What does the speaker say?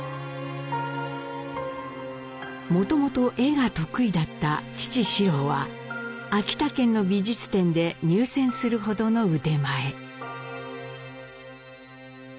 もともと絵が得意だった父四郎は秋田県の美術展で入選するほどの腕前。